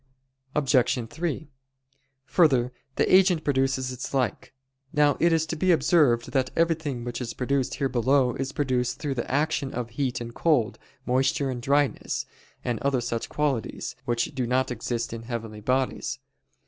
Obj. 3: Further, the agent produces its like. Now it is to be observed that everything which is produced here below is produced through the action of heat and cold, moisture and dryness, and other such qualities, which do not exist in heavenly bodies.